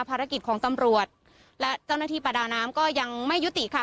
ภารกิจของตำรวจและเจ้าหน้าที่ประดาน้ำก็ยังไม่ยุติค่ะ